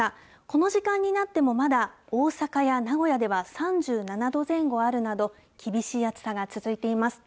この時間になってもまだ大阪や名古屋では、３７度前後あるなど、厳しい暑さが続いています。